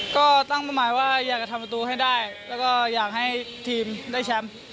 ก็ตั้งประมาณว่าอยากจะทำประตูให้ได้แล้วก็อยากให้ทีมได้แชมป์